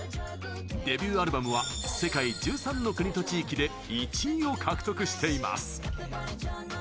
デビューアルバムは世界１３の国と地域で１位を獲得しています。